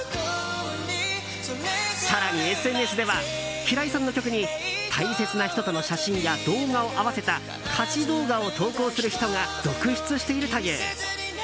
更に、ＳＮＳでは平井さんの曲に大切な人との写真や動画を合わせた歌詞動画を投稿する人が続出しているという。